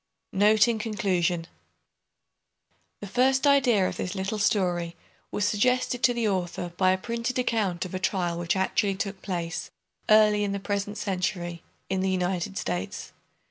NOTE IN CONCLUSION. The first idea of this little story was suggested to the author by a printed account of a trial which actually took place, early in the present century, in the United States.